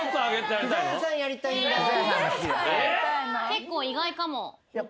結構意外かも。